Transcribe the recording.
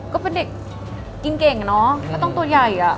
ก็เป็นเด็กกินเก่งอะเนาะก็ต้องตัวใหญ่อะ